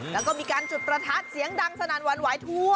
แล้วก็มีการจุดประทัดเสียงดังสนั่นวันไหวทั่ว